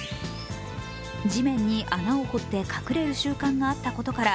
地面に穴を掘って隠れる習慣があったことから